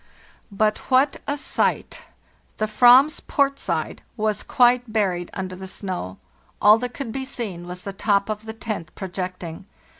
"But what a sight! The /vam's port side was quite buried under the snow; all that could be seen was the top of the tent projecting.